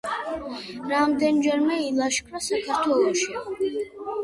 რამდენიმეჯერ ილაშქრა საქართველოში.